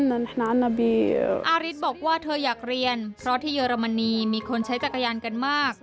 อาริสบอกว่าเธออยากเรียนเพราะที่เยอรมนีมีคนใช้จักรยานกันมาก